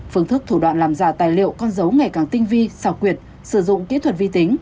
phương thức thủ đoạn làm giả tài liệu con dấu ngày càng tinh vi xảo quyệt sử dụng kỹ thuật vi tính